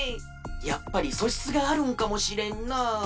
やっぱりそしつがあるんかもしれんな。